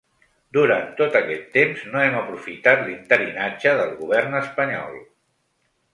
Durant tot aquest temps no hem aprofitat l’interinatge del govern espanyol.